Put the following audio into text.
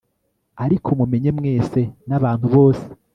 ariko mumenye mwese n abantu bose